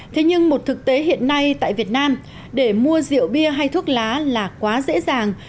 thế nhưng một thực tế hiện nay tại việt nam để mua rượu bia hay thuốc lá là quá dễ dàng